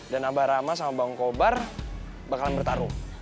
dan abah rama sama bang kobar bakalan bertarung